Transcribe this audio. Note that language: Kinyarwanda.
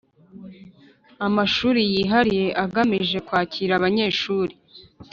Amashuri yihariye agamije kwakira abanyeshuri